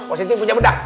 oh siti punya bedak